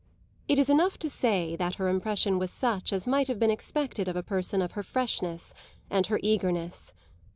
It is enough to say that her impression was such as might have been expected of a person of her freshness and her eagerness.